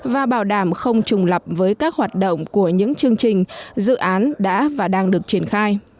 và bảo đảm không trùng lập với các hoạt động của những chương trình dự án đã và đang được triển khai